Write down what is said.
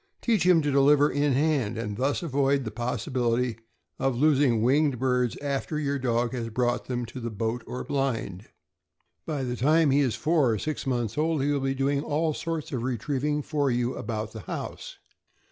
Teach him to deliver in hand, and thus avoid the possibility of losing winged birds after your dog has brought them to the boat or blind. By the time he is four or six months old, he will be doing all sorts of retrieving for you about the house.